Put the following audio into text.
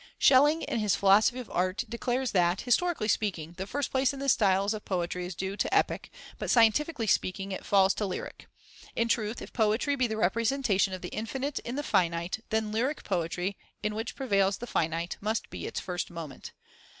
Schelling, in his Philosophy of Art, declares that, historically speaking, the first place in the styles of poetry is due to Epic, but, scientifically speaking, it falls to Lyric. In truth, if poetry be the representation of the infinite in the finite, then lyric poetry, in which prevails the finite, must be its first moment.